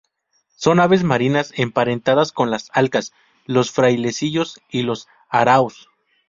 Son aves marinas emparentadas con las alcas, los frailecillos y los araos.